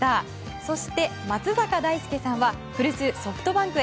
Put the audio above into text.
そして、松坂大輔さんは古巣ソフトバンクへ。